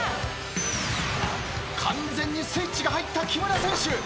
完全にスイッチが入った木村選手。